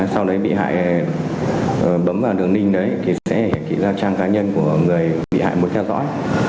sau đấy bị hại bấm vào đường link đấy thì sẽ hiện kỹ ra trang cá nhân của người bị hại muốn theo dõi